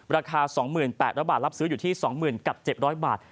ราคา๒๘๐๐บาทรับซื้ออยู่ที่๒๐๐๐กับ๗๐๐บาท